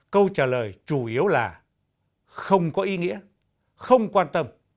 câu trả lời chủ yếu là không có ý nghĩa không quan tâm